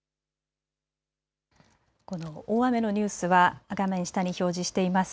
この大雨のニュースは画面下に表示しています